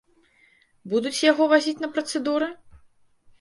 Будуць яго вазіць на працэдуры?